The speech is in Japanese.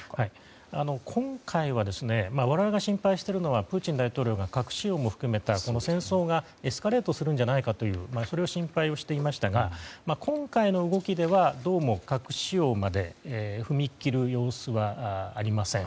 今回我々が心配しているのはプーチン大統領が核使用も含めた戦争がエスカレートするのではないかというそれを心配していましたが今回の動きではどうも、核使用まで踏み切る様子はありません。